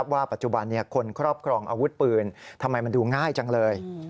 ว่าปัจจุบันคนครอบครองอาวุธปืนทำไมมันดูง่ายจังเลย